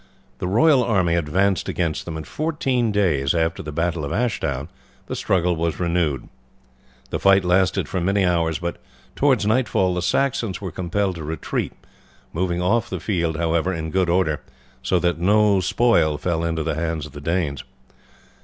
The royal army advanced against them, and fourteen days after the battle of Ashdown the struggle was renewed. The fight lasted for many hours, but towards nightfall the Saxons were compelled to retreat, moving off the field, however, in good order, so that no spoil fell into the hands of the Danes.